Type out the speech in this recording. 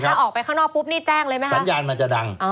ถ้าออกไปข้างนอกปุ๊บนี่แจ้งเลยไหมครับ